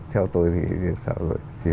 theo tôi thì sao rồi